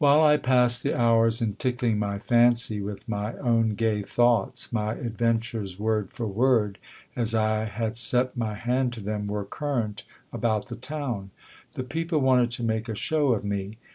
While I passed the hours in tickling my fancy with my own gay thoughts, my adventures, word for word, as I had set my hand to them, were current about the town. The people wanted to make a show of me